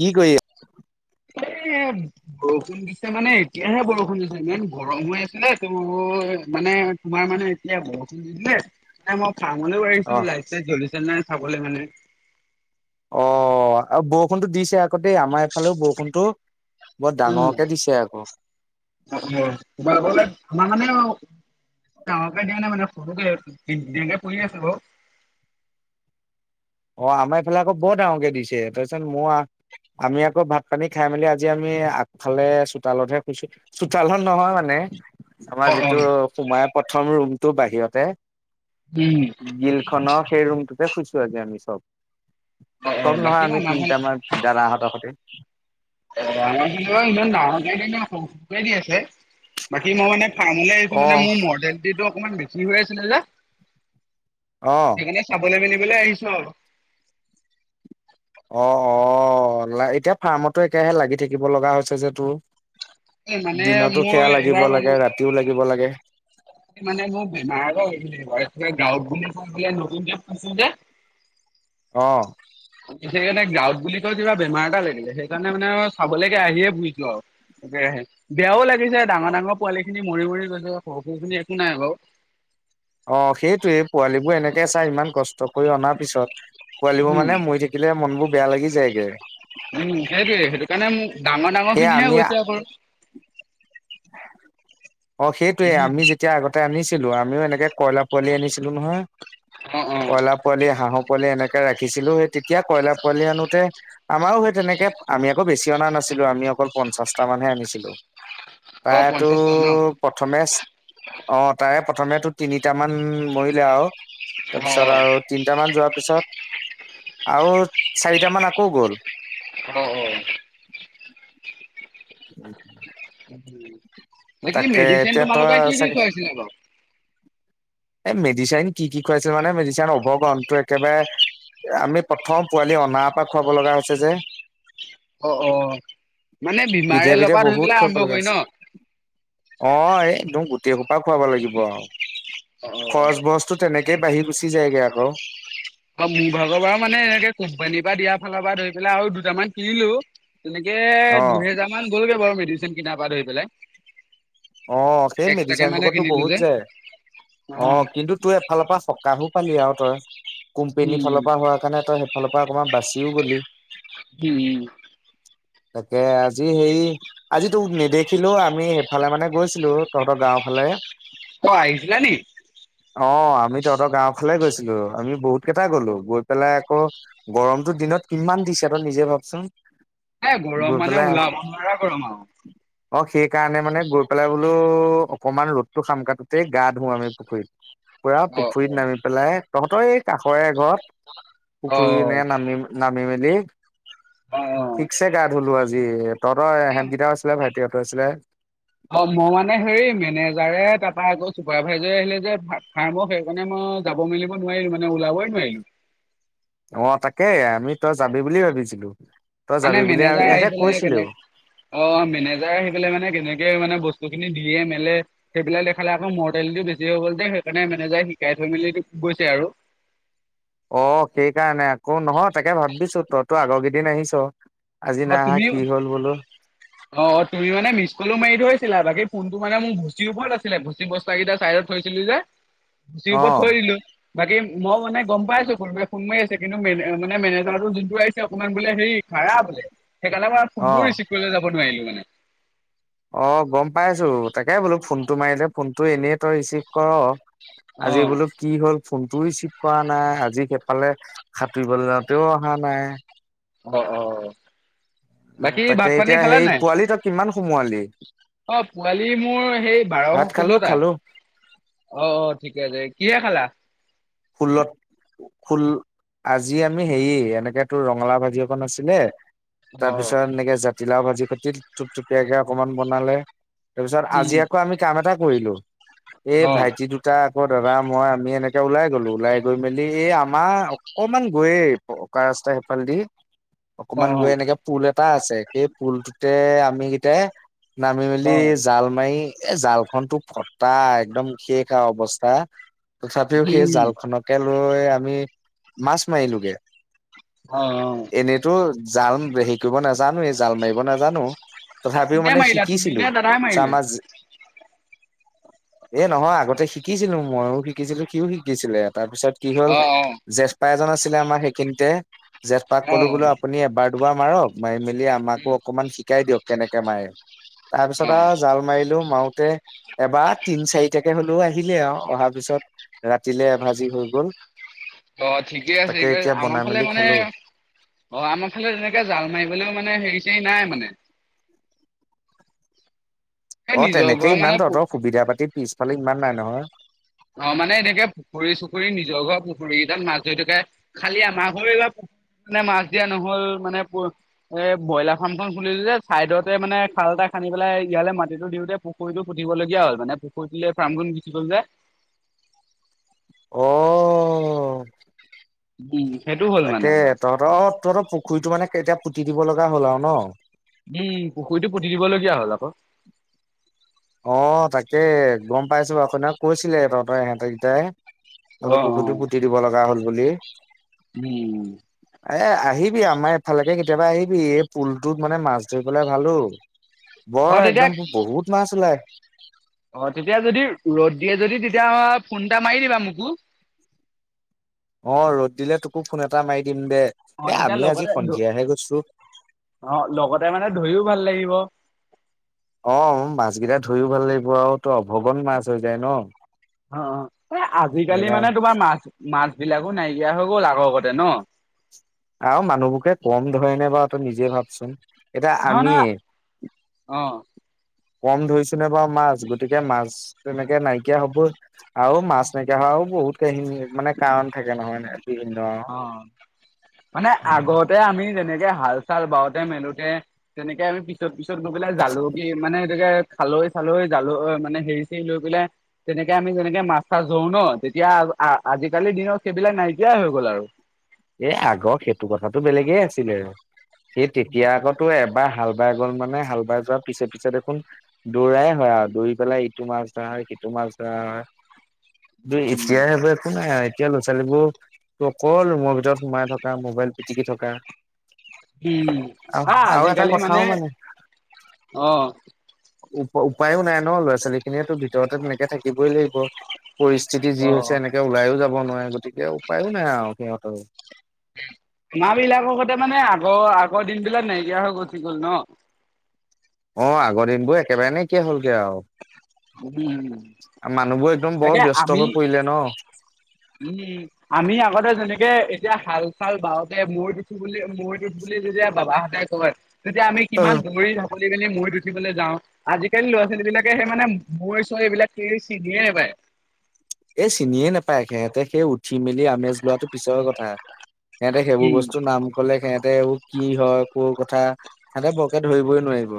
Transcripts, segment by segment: কি কৰি এহ বৰষুণ দিছে মানে এতিয়াহে বৰষুণ দিছে ইমান গৰম হৈ আছিলে ত' মানে তোমাৰ মানে এতিয়া বৰষুণ দি দিলে মানে মই ফাৰ্মলে বুলি ৰৈ অ আছো লাইট ছাইট জ্বলিছে নে নাই চাবলৈ মানে অহ আৰু বৰষুণতো দিছে আ গতে আমাৰ এইফালেও বৰষুণতো বৰ ডাঙৰকে দিছে আকৌ তুমাৰ ফালে আমাৰ ফালেও ডাঙৰকে দিয়া নাই মানে সৰুকে দি দিউকে পৰি আছে বাৰু অ আমাৰ এইফালে আকৌ বৰ ডাঙৰকে দিছে তাৰপিছত মোৰ আও আমি আকৌ ভাত পানী খাই মেলি, আজি আমি আগফালে চোতালতহে শুইছোহি। চোতালত নহয় মানে। আমাৰ অ অ যিটো সোমাইয়ে প্ৰথম ৰুমটোৰ বাহিৰতে উম', গ্ৰীল খনৰ সেই ৰুমটোতে শুইছো আজি আমি চব। অ অ চব বাকী নহয় আমি আমাৰ ফালে তিনিটা মান দাদাহঁতৰ হৈতে। অ', আমাৰ কিন্তু এ' ইমান ডাঙৰকে দিয়া নাই সৰু সৰুকে দি আছে। বাকী মই মানে ফাৰ্মলে আহিছো অ মানে মোৰ মৰ্ডেলটিটো অকণমান বেছি হৈ আছিলে যে। অ সেইকাৰণে চাবলে মেলিবলে আহিছো আৰু। অহ', অহ' এতিয়া ফাৰ্মতো একেৰাহে লাগি থাকিব লগা হৈছে যে তোৰ। এই মানে দিনতো মোৰ সেয়া লাগিব এইবাৰ মানে লাগে, ৰাতিও লাগিব লাগে। মানে মোৰ বেমাৰ হৈ উঠিছে আকৌ মাৰ গাঁৱত বুলি ক'লে নতুন কে হৈছে যে। অহ',। এইফালে মানে গাঁৱত বুলি ক'ল কিবা বেমাৰ এটা লাগিলে, সেইকাৰণে মানে চাবলৈকে আহিয়ে ফূৰিছো আৰু। তাকেহে বেয়াও লাগিছে ডাঙৰ ডাঙৰ পোৱালী খিনি মৰি মৰি গৈছে, সৰু সৰুখিনি একো নাই বাৰু। অ', সেইটোৱে পোৱালিবোৰ এনেকে চাই ইমান কষ্ট কৰি অনাৰ পিছত, পোৱালিবোৰ উম মানে মৰি থা কিলে মন বোৰ বেয়া লাগি যায় গে। উম', সেইটোৱে সেইটো কাৰণে মোৰ ডাঙৰ ডাঙৰ সেয়া খিনিহে আমি হৈছে অকল। অ', সেইটোৱে উম আমি যেতিয়া আগতে আনিছিলো, আমিও এনেকে কইলাৰ পোৱালি আনিছিলো নহয়, অ অ কইলাৰ পোৱালি হাঁহৰ পোৱালি এনেকে ৰাখিছিলো, সেই তেতিয়া কইলাৰ পোৱালি আনোতে আমাৰো সেই তেনেকে আমি আকৌ বেছি অনা নাছিলো, আমি অকল পঞ্চাশটা মানহে আনিছিলো। অ প্ৰায় পঞ্চাছটা ন তোৰ প্ৰথমে অ' তাৰে প্ৰথমে টো তিনিটামান মৰিলে আৰু। অ অ তাৰপিছত আৰু তিনটা মান যোৱাৰ পিছত, আৰু চাৰিটা মান আকৌ গ'ল। অ', অ',। উম',। দেখিলি মেডিচেন এতিয়া ভাল তই হওতে কি দি চাগে খুৱাইছিলে বাৰু? এই মেডিচাইন কি কি খুৱাইছিল মানে, মেডিচাইন অৱগনটো একেবাৰে আমি প্ৰথম পোৱালি অনাৰ পৰা খুৱাব লগা হৈছে যে। অ', অ', মানে বিধে বিধে বীমাৰেলপা ধৰি বহুত পেলাই খুৱাব আৰম্ভ লগা কৰি হৈছে। ন'? অ', এই একদম গোটেই সোপা খুৱাব লাগিব আৰু। অ খৰচ অ বছতটো তেনেকেই বাঢ়ি গুচি যায়গৈ আকৌ। অ', মোৰ ভাগৰ পৰা মানে এনেকে কোম্পানীৰ পৰা, দিয়াৰ ফালৰ পৰা ধৰি পেলাই আৰু দুটামান কিনিলো। তেনেকে অ' দুহেজাৰ মান গ'লগে বাৰু মেডিচিন কিনাৰ পা ধৰি পেলাই। অ', সেই এক্সট্ৰাকে মেডিচন মানে খোপাটোত কিনিলো বহুত যে যায়। অ' কিন্তু তো এফালৰ পৰা সকাহো পালি আৰু তই, কোম্পেনী ফালৰ পৰা হোৱাৰ কাৰণে তই ফালৰ পৰা অকণমান বাচিও গ'লি। উম',। তাকে আজি হেৰি, আজি তোক নেদেখিলো আমি সেইফালে মানে গৈছিলো তহঁতৰ গাওঁ ফালে। অ', আহিছিলা নেকি? অ', আমি তহঁতৰ গাওঁ ফালে গৈছিলো, আমি বহুত কেইটাই গ'লো। পেলাই আকৌ গৰমটো দিনত কিমান দিছে তই নিজে ভাবচোন। এ গৰম গৈ মানে পেলাই, ওলাব নোৱাৰা গৰম আৰু অ সেইকাৰণে মানে গৈ পেলাই বোলো অকনমান ৰ'দটো খাম, তাত গোটেই গা ধুওঁ আমি পুখুৰীত, পুৰা অ পুখুৰীত নামি। পেলাই তহঁতৰ এই কাষৰে এঘৰত, অ পুখুৰীলে নামি নামি মেলি অ অ ঠিকছে গা ধোঁলো আজি। তহঁতৰ এ এহেত গিটাও আছিলে, ভাইটিহঁটো আছিলে। অ মই মানে হেৰি মেনেজাৰে তাপা আকৌ চুপাৰভাইজাৰে আহিলে যে ফাৰ্মৰ, সেইকাৰণে মই যাব মেলিব নোৱাৰিলো মানে, ওলাবই নোৱাৰিলো। অ তাকে আমি তই যাবি বুলি ভাবিছিলো, তই মানে যাবি বুলি মেনেজাৰ আহি এহেতে পেলাই কেনে কৈছিলেও। অ মেনেজাৰ আহি পেলাই মানে তেনেকে মানে বস্তুখিনি দিয়ে মেলে। সেইফেলে দেখালে আকৌ মৰটেলটো বেছি হৈ গ'ল যে, সেইকাৰণে মেনেজাৰে শিকাই থৈ মেলি গৈছে আৰু। অ সেই কাৰণে আক, নহয় তাকে ভাবিছো তইতো আগৰ কেইদিন আহিছ। আজি নাই আহা, তুমি কি হ'ল বোলো? অ 'অ 'তুমি মানে মিছ কলো মাৰি থৈছিলা, বাকী ফোনটো মানে মোৰ ভুচিৰ ওপৰত আছিলে ভুচি ব খুঁটাগিতা চাইডত থৈছিলো যে, ভুচিৰ ওপৰত থৈ অ', দিলো। বাকী মই মানে গম পাইছোঁ কোনোবাই ফোন মাৰি আছে, কিন্তু মে মানে মেনেজাৰটো যোনটো আহিছে অকণমান বোলে হেৰি। কাৰা বোলে, সেইকাৰণে মই ফোনটো অ'। ৰিচিভ কৰিবলে যাব নোৱাৰিলো মানে। অ গম পাইছোঁ, তাকে বোলো ফোনটো মাৰিলে ফোনটো এনেই তই ৰিচিভ কওঁ, আজি বোলো। অ কি হ'ল ফোনটোও ৰিচিভ কৰা নাই, আজি সেইফালে সাঁতুৰিবলে যাওঁতেও অহা নাই। অ' অ' অ '। উম' তাকে এতিয়া সেই পোৱালি তই কিমান সোমোৱালি? অ' পোৱালি মোৰ সেই বাৰ, ভাত খালো ষোল্লটা। খালো অ' অ' ঠিকে আছে, কিহে খালা? ষোল্ল। ষোল, আজি আমি হেৰি এনেকে তোৰ ৰঙালাওঁ ভাজি অকণ আছিলে। অ তাৰপিছত এনেকে জাতিলাও ভাজি কাটি, থূপথুপীয়াকে অকনমান বনালে। তাৰপিছত উম আজি আকৌ আমি কাম এটা কৰিলো, এই অ ভাইটি দু টা আকৌ দাদা মই আমি এনেকে ওলাই গলো, ওলাই গৈ মেলি এই আমাৰ অকমান গৈয়ে পকা ৰাস্তা সেইফালে দি অ অকমান গৈ এনেকে পুল এটা আছে, সেই পুলটোতে আমি গিতাই। নামি অ মেলি জাল মাৰি, এ জাল খনটো ফটা, একদম শেষ আও অৱস্থা, তথাপিও সেই উম জালখনক তাকে লৈ আমি, মাছ মাৰিলোগে। অ' অ '। এনেইতো জাল হেৰি কৰিব নাজানোৱেই, জাল মাৰিব নাজানো। তথাপিও কোনে মানে মাৰিলা তুমি শিকিছিলো, নে দাদাই মাৰিলে? চামাজ এ নহয় আগতে শিকিছিলো, মইও শিকিছিলো সিও শিকিছিলে তাৰপিছত কি হল অ অ জেঠ পা এজন আছিলে আমাৰ সেইখিনিতে, জেঠ পাক অ কলো বোলো আপুনি এবাৰ দুবাৰ মাৰক। মাৰি মেলি আমাকো উম অকমান শিকাই দিয়ক, কেনেকে মাৰে। তাৰপিছত অ আও জাল মাৰিলো, মাৰুতে এবাৰত তিন চাৰিটাকে হলেও আহিলে আও, অহাৰ পিছত ৰাতিলে এভাজি হৈ গল। অ ঠিকেই আছে তাকে গে এতিয়া আমাৰ বনাই ফালে মেলি মানে খালো অঁ আমাৰ ফালে তেনেকে জাল মাৰিবলৈও মানে হেৰি চৰি নাই মানে। এই অ নিজৰ তেনেকে ঘৰ ইমান মানে তহঁতৰ সুবিধা পাতি পিছফালে ইমান নাই নহয়। অ মানে এনেকে পুখুৰী চুখুৰী, নিজৰ ঘৰ পুখুৰী কিতাত মাছ ধৰি থাকে। খালি আমাৰ ঘৰ এইবাৰ মাছ দিয়া নহল মানে এ ব্ৰইলাৰ ফাৰ্ম খন খুলিলো যে চাইদতে মানে খাল এটা খান্দি পেলাই ইয়ালে মাটিটো দিওঁতে পু খুৰিটো পুতিব লগীয়া হ'ল মানে পুখুৰীটোলৈ ফ্ৰামখন গুচি গল যে। অ উম সেইটো হয়। তাকে তহঁতৰ অ তহঁতৰ পুখুৰীটো মানে তেতিয়া পুতি দিব লগা হ'ল আৰু ন? উম পুখুৰীটো পুতি দিব লগীয়া হ'ল আক'। অঁ তাকে গম পাইছো বাৰু সেইদিনা কৈছিলে তহঁতৰ হেঁতে কেইটাই। অ তহঁতৰ অ পুখুৰীটো পুতি দিব লগা হল বুলি। উম এ আহিবি আমাৰ এফালেকে কেতিয়াবা আহিবি এই পুলটোত মানে মাছ ধৰি বলে ভাল ঔ। অঁ তেতিয়া ওলাই অঁ তেতিয়া যদি ৰ'দ দিয়ে যদি তেতিয়া ফোন এটা মাৰি দিবা মোকো। অঁ ৰ'দ দিলে তোকো ফোন এটা মাৰি দিম দে। অঁ এ তেতিয়া আমি আজি লগতে সন্ধিয়াহে গৈছো অ লগতে মানে ধৰিও ভাল লাগিব। অঁ মাছ কেইটা ধৰিও ভাল লাগিব আৰু ত অভগন মাছ হৈ যায় ন। অ অ এ আজিকালি মানে সেইকাৰণে তোমাৰ মাছ মাছ বিলাকো নাইকিয়া হৈ গল আগৰ গতে ন? আৰু মানুহবোৰকে কম ধৰে নে বাৰু তই নিজে ভাবচোন। এতিয়া আৰু ন আমি অ কম ধুৰিছে নে বাৰু মাছ গতিকে মাছ তেনেকে নাইকিয়া হবই আৰু মাছ নাই কিয়া হোৱা বহুত কাহিনী মানে কাৰণ থাকে নহয় নে বিভিন্ন। অহ মানে আগতে আমি যেনেকে হাল চাল বাওঁতে মেলোতে তেনেকে আমি পিছত পিছত গৈ পেলাই জালুক মানে সেইটো কে খালৈ চালৈ জাল মানে হেৰি চেৰি লৈ পেলাই তেনেকে আমি যেনেকে মাছ চাছ ধৰো ন তেতিয়া আজিকালিৰ দিনত সেইবিলাক নাইকিয়াই হৈ গ'ল আৰু। এ আগৰ সেইটো কথাটো বেলেগে আছিলে সেই উম তেতিয়া আক' তোৰ এবাৰ হাল বাই গ'ল মানে হাল বাই যোৱাৰ পিছে পিছে দেখোন দৌৰাই হয় আৰু দৌৰি পেলাই ইটো মাছ ধৰা হয় সিটো মাছ ধৰা হয়। এতিয়া একো নাই এতিয়া ল'ৰা ছোৱালীবোৰ তোৰ অকল ৰুমৰ ভি ভিতৰত সোমাই থকা মোবাইল পিটিকি থকা উম আৰু অ আৰু এটা আজিকালি কথাও মানে অ উ উপায়ো নাই ন ল'ৰা ছোৱালী খিনিয়ে ভিতৰতে তেনেকে থাকিবই লাগিব। পৰিস্থিতি অ যি হৈছে এনেকে ওলাইও যাব নোৱাৰে গতিকে উপায়ো নাই আৰু সিহঁতৰ উম আমাৰ বিলাকৰ কতে মানে আগৰ আগৰ দিন বিলাক নাইকিয়া হৈ গুছি গ'ল ন। অ আগৰ দিনবোৰ একেবাৰে নাকিয়া হলগে আৰু। উম আৰু মানুহবোৰ একদম তাকে বৰ আমি ব্যস্ত হৈ পৰিলে ন। উম। আমি আগতে যেনেকে, এতিয়া হাল চাল বাওঁতে মৈত উঠো বুলি, মৈত উঠো বুলি যেতিয়া বাবাহ তে কয়, তেতিয়া আমি অ। কিমান দৌৰি ঢাপলি মেলি মৈত উঠিবলৈ যাওঁ। আজিকালি ল'ৰা ছোৱালীবিলাকে সেই মানে, মৈ চৈ এইবিলাক কি চিনিয়ে নাপায়। এ চিনিয়ে নাপায়, সিহঁতে সেই উঠি মেলি আমেজ লোৱাটো পিছৰ কথা। সিহঁতে সেইবোৰ উম বস্তুৰ নাম ক'লে সিহঁতে এইবোৰ কি হয়, ক'ৰ কথা, সিহঁতে বৰকে ধৰিবই নোৱাৰিব।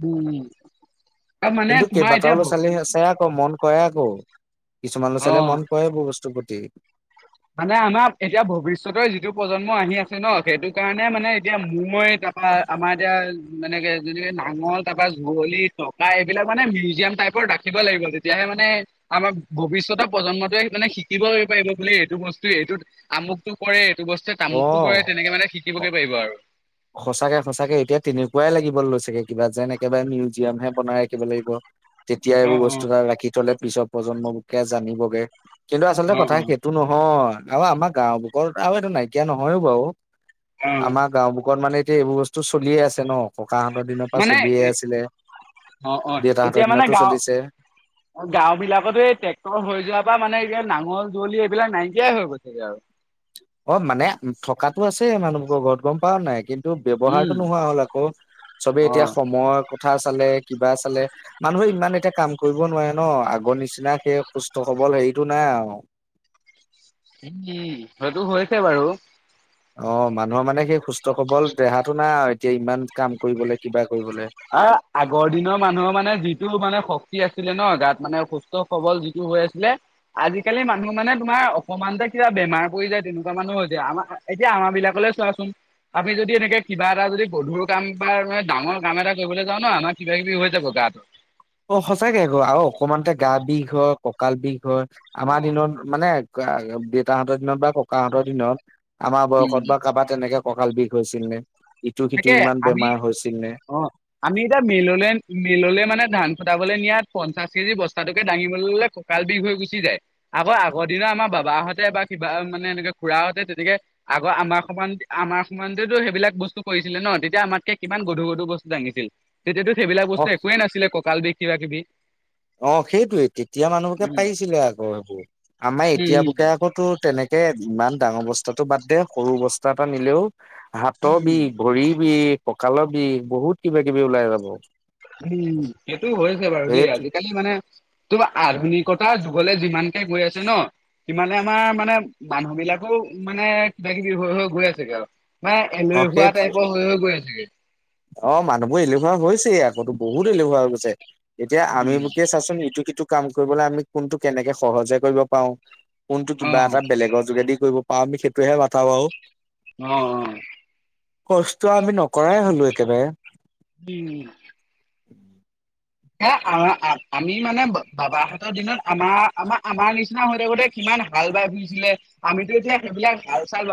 উম। অ মানে কিন্তু তোমাৰ এতিয়া কেইবাটাও ভ ল'ৰা ছোৱালী আছে আকৌ মন কৰে আক' কিছুমান লৰা ছোৱালীয়ে অ মন কৰে এইবোৰ বস্তুৰ প্ৰতি। মানে আমাৰ এতিয়া ভৱিষ্যতৰ যিটো প্ৰজন্ম আহি আছে ন, সেইটো কাৰণে মানে এতিয়া মো মই তা ৰ আমাৰ এতিয়া মানে যেনেকে নাঙল তাৰপৰা যুৱলি, টোকা এইবিলাক মানে মিউজিয়াম টাইপৰ শিকিব লাগিব তেতিয়াহে মানে আমাৰ ভৱিষ্যতৰ প্ৰজন্মটোৱে মানে শিকিবলৈ পাৰিব বুলি এ এইটো বস্তুৱে এইটোত আমুকটো কৰে, এইটো বস্তুৱে তামুকটো কৰে, তেনেকে মানে অ। শিকিবগে পাৰিব আৰু। সঁচাকে, সচাঁকে এতিয়া তেনেকুৱাই লাগিব লৈছেগে কিবা যেন একেবাৰে মিউজিয়ামহে বনাই ৰাখিব লাগিব। তেতিয়া অ এইবোৰ অ বস্তু আৰু ৰাখি থ'লে পিছৰ প্ৰজন্মলোকে জানিবগে। কিন্তু আচলতে অ কথা সেইটো নহয় আৰু আমাৰ গাওঁবুকৰ আৰু এইটো নাইকিয়া নহয়ো বাৰু। অ অ আমাৰ গাঁওবুকত মানে এতিয়া এইবোৰ বস্তু চলিয়ে আছে ন। ককাহঁতৰ দিনৰপৰা মানে চলিয়ে এ- আছিলে। অ দেউতাহঁতৰ দিনতো চলিছে। গাঁওবিলাকত এই ট্ৰেক্টৰ হৈ যোৱাৰপৰা মানে এই নাঙল-যুৱলি এইবিলাক নাইকিয়াই হৈ গ'লগে আৰু। অ', মানে, উম থকাটো আছে মানুহবোৰৰ ঘৰত গম পাওঁ নাই, কিন্তু এইটো ব্যৱহাৰটো উম নোহোৱা হ'ল আকৌ চবে এতিয়া অ সময়ৰ কথা চালে, কিবা চালে। মানুহে ইমান এতিয়া কাম কৰিব নোৱাৰে ন, আগৰ নিচিনা সেই সুস্থ-সবল হেৰিটো নাই আৰু। কি উম, সেইটো হৈছে বাৰু। অ', মানুহৰ মানে সেই সুস্থ-সবল দেহাটো নাই আৰু, এতিয়া ইমান কাম কৰিবলে, কিবা কৰিবলে। আ আগৰ দিনৰ মানুহৰ মানে যিটো মানে শক্তি আছিলে ন, গাত মানে সুস্ সুস্থ সবল যিটো হৈ আছিলে। আজিকালি মানুহ মানে তোমাৰ অকমানতে কিবা বেমাৰ পৰি যায় তেনেকুৱা মানুহ হৈছে। আমাৰ এতিয়া আমাৰ বিলাকলৈ চোৱাচোন, আমি যদি এনেকে কিবা এটা যদি গধুৰ কাম বা মানে ডাঙৰ কাম এটা কৰিবলৈ যাওঁ ন, আমাৰ কিবাকিবি হৈ যাব গাত। অ', সঁচাকে আকৌ, আৰু অকমানতে গা বিষ হয়, কঁকাল বিষ হয়, অ আমাৰ দিনত মানে গা দেউতাহঁতৰ দিনত বা ককাহঁতৰ দিনত, আমাৰ বয়সত উম, বা কাৰোবাৰ তেনেকে কঁকাল বিষ হৈছিল নে, ইটো-সিটো তাকে ইমান আমি বেমাৰ হৈছিল নে? অ', আমি এতিয়া মিললোলে, মিলললো মানে ধান খুটাবলৈ নিয়াত পঞ্চাশ কেজি বস্তাটোকে দাঙিব ললে কঁ কাল বিষ হৈ গুচি যায় আকৌ আগৰ দিনৰ আমাৰ বাবাহঁতে বা কিবা মানে এনেকে খুৰাহঁতে তেনেকে আগৰ আমাৰ সমান আমাৰ সমানতেটো সেইবিলাক বস্তু কৰিছিলে ন, তেতিয়া আমাতকে কিমান গধুৰ-গধুৰ বস্তু দাঙিছিল। তেতিয়াতো সেইবিলাক অ বস্তু একোৱে নাছিলে কঁকাল বিষ কিবা-কিবি। অ', সেইটোয়েই, তেতিয়া মানুহবুকে উম, পাৰিছিলে আকৌ সেইবোৰ, আমাৰ উম, উম, এতিয়াবুকে আকৌ তু তেনেকে ইমান ডাঙৰ বস্তাটো বাদ দে সৰু বস্তা এটা নিলেও হাতৰ উম, উম। বিষ, ভৰিৰ বিষ, কঁকালৰ বিষ বহুত কিবা কিবি ওলাই যাব। উম, সেইটো হৈছে বাৰু দেই সেইটো আজিকালি মানে কিবা আধুনিকতাৰ যুগলে যিমানকে গৈ আছে ন। সিমানে আমাৰ মানে, মানুহ বিলাকো মানে কিবাকিবি হৈ, হৈ গৈ আছেগে আৰু। মানে অ এলেহুৱা সেইটোৱে টাইপৰ হৈ, হৈ, গৈ আছেগে। অ', মানুহবোৰ এলেহুৱা হৈছে আকৌতো, বহুত এলেহুৱা হৈছে। এতিয়া উম, আমিবুকে চাচোন ইটো-সিটো কাম কৰিবলৈ আমি কোনটো কেনেকে সহজে কৰিব পাওঁ। কোনটো কিবা অ', এটা বেলেগৰ যোগেদি কৰিব পাওঁ, আমি সেইটোহে মাথা মাৰো। অ', অ'। কষ্ট আমি নকৰাই হ'লো একেবাৰে। উম। হে, আমি মানে বাবাহঁতৰ দিনত আমাৰ আমাৰ আমাৰ নিচিনা হৈ থাকোতে কিমান হাল বাই ফুৰিছিলে আমিতো এতিয়া সেইবিলাক হাল চাল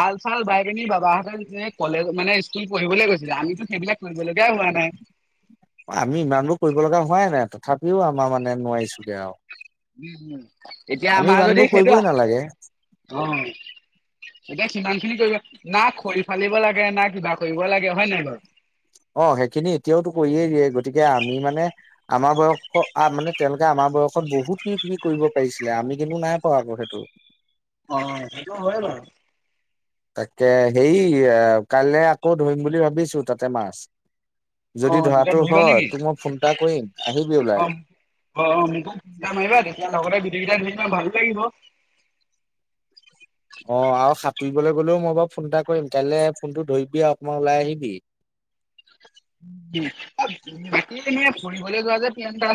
হাল চাল বাই পিনী বাবাহঁতে যে কলেজ মানে স্কুল পঢ়িবলৈ গৈছিলে আমিতো সেইবিলাক কৰিবলগাই হোৱা নাই আমি ইমানবোৰ কৰিব লগা হোৱাই নাই, তথাপিও আমাৰ মানে নোৱাৰিছোগে আৰু। উম উম, এতিয়া আমি আমাৰ যদি ইমানবোৰ সেইটো কৰিবই নালাগে অঁ'- এতিয়া সিমান খিনি কৰিব না খৰি ফালিব লাগে না কিবা কৰিব লাগে হয় নাই বাৰু। অঁ' সেইখিনি এতিয়াওতো কৰিয়েই দিয়ে গতিকে আমি মানে- আমাৰ বয়সত মানে তেওঁলোকে আমাৰ বয়সত বহুত কিবা কিবি কৰিব পাৰিছিলে আমি কিন্তু নাই পৱা আকৌ সেইটো। অঁ, সেইটো হয় বাৰু। তাকে, সেই কাইলে আকৌ ধৰিম বুলি ভাবিছো তাতে মাছ। যদি অ', তেতিয়া ধৰাটো ধৰিবা হয়, নেকি? তোক মই ফোন এটা কৰিম আহিবি ওলাই। অঁ অঁ মোকো ফোন এটা মাৰিবা তেতিয়া লগতে গোটেই গেইটা ধৰিম আও ভালো লাগিব। অঁ আৰু সাঁতুৰিবলে গলেও মই বাৰু ফোন এটা কৰিম। কাইলে ফোনটো ধৰিবি আৰু অকমান ওলাই আহিবি। বাকী তুমি এই ফুৰিবলৈ যোৱা যে গেং এটা আছে।